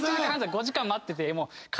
５時間待ってて。